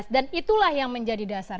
dan itulah yang menjadi dasar